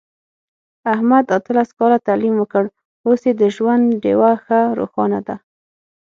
احمد اتلس کاله تعلیم وکړ، اوس یې د ژوند ډېوه ښه روښانه ده.